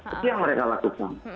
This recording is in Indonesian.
tapi yang mereka lakukan